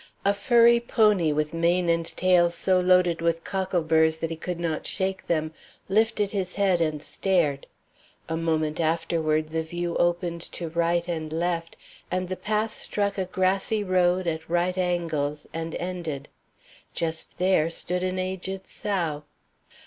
A furry pony with mane and tail so loaded with cockleburs that he could not shake them, lifted his head and stared. A moment afterward the view opened to right and left, and the path struck a grassy road at right angles and ended. Just there stood an aged sow.